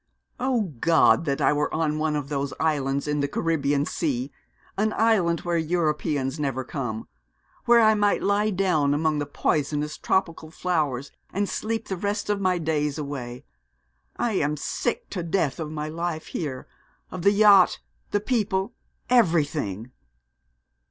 'O God! that I were on one of those islands in the Caribbean Sea an island where Europeans never come where I might lie down among the poisonous tropical flowers, and sleep the rest of my days away. I am sick to death of my life here; of the yacht, the people everything.'